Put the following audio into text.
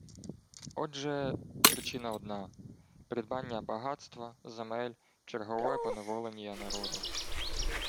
Отже, причина одна – придбання багатства, земель, чергове поневоления народу